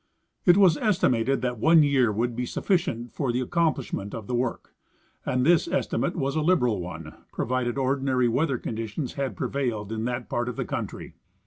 It was estimated that one year would be sufficient for the ac complishment of the work, and this estimate was a liberal one, provided ordinary Aveather conditions had prevailed in that part of the country.